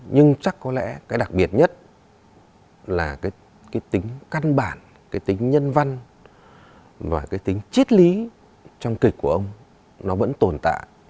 nhưng chắc có lẽ cái đặc biệt nhất là cái tính căn bản cái tính nhân văn và cái tính chiết lý trong kịch của ông nó vẫn tồn tại